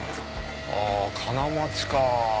あ金町か。